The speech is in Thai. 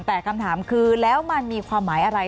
แต่คำถามคือแล้วมันมีความหมายอะไร